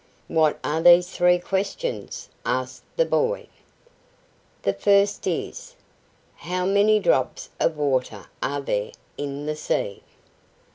"What are these three questions?" asked the boy. "The first is: How many drops of water are there in the sea?"